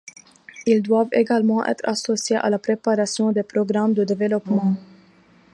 Ils doivent également être associés à la préparation des programmes de développement.